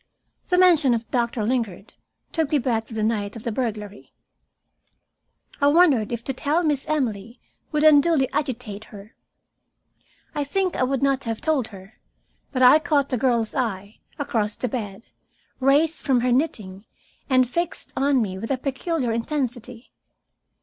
The mention of Doctor Lingard took me back to the night of the burglary. I wondered if to tell Miss Emily would unduly agitate her. I think I would not have told her, but I caught the girl's eye, across the bed, raised from her knitting and fixed on me with a peculiar intensity.